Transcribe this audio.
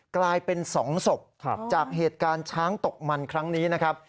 กลายเป็น๒ศพจากเหตุการณ์ช้างตกมันครั้งนี้นะครับ